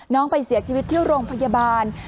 น้องไปเสียชีวิตที่โรงพยาบาล